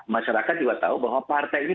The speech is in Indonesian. masyarakat juga tahu bahwa partai ini